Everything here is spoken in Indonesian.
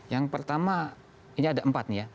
yang pertama ini ada empat nih ya